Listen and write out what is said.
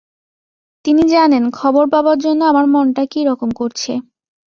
তিনি জানেন, খবর পাবার জন্যে আমার মনটা কী রকম করছে।